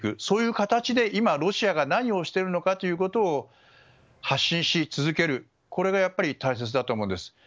そういう形で今、ロシアが何をしているのかということを発信し続ける、これがやっぱり大切だと思うんです。